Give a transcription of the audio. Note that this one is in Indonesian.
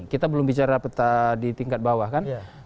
kita belum bicara peta di tingkat bawah kan